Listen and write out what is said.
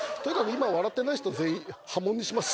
今笑ってない人全員破門にします